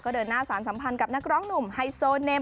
เดินหน้าสารสัมพันธ์กับนักร้องหนุ่มไฮโซเนม